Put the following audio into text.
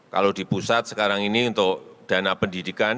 kalau di pusat sekarang ini untuk dana pendidikan